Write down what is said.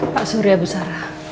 pak surya besara